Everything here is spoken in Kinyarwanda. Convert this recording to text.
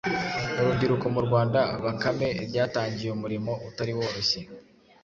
urubyiruko mu Rwanda, Bakame, ryatangiye umurimo utari woroshye